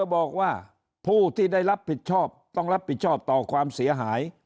บอกว่าผู้ที่ได้รับผิดชอบต้องรับผิดชอบต่อความเสียหาย